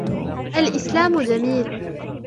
الإسلام جميل.